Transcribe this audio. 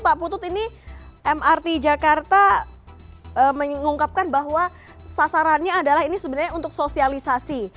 pak putut ini mrt jakarta mengungkapkan bahwa sasarannya adalah ini sebenarnya untuk sosialisasi